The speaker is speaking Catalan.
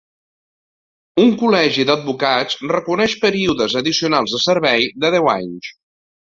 Un col·legi d'advocats reconeix períodes addicionals de servei de deu anys.